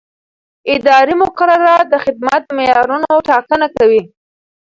اداري مقررات د خدمت د معیارونو ټاکنه کوي.